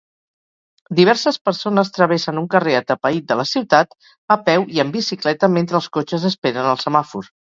Diverses persones travessen un carrer atapeït de la ciutat a peu i amb bicicleta mentre els cotxes esperen el semàfor.